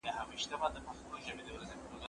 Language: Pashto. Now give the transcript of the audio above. زه به د کور کارونه کړي وي!